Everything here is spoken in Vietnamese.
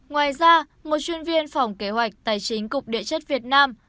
ngoài ra một chuyên viên phòng kế hoạch tài chính cục địa chất việt nam